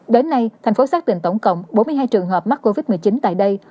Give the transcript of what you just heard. đến nay thành phố xác định tổng cộng bốn mươi hai trường hợp mắc covid một mươi chín tại đây